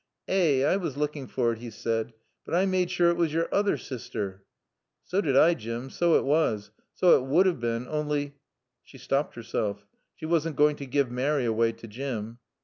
"Eh, I was lookin' for it," he said. "But I maade sure it was your oother sister." "So did I, Jim. So it was. So it would have been, only " She stopped herself. She wasn't going to give Mary away to Jim.